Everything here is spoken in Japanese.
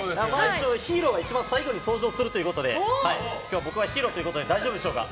ヒーローは一番最後に登場するということで今日、僕はヒーローということで大丈夫でしょうか。